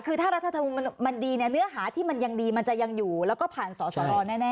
คือถ้ารัฐธรรมนุนมันดีเนี่ยเนื้อหาที่มันยังดีมันจะยังอยู่แล้วก็ผ่านสอสรแน่